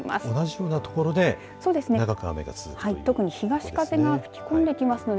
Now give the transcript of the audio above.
同じような所で長く雨が続くんですね。